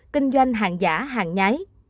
kinh doanh hàng giả hàng nhái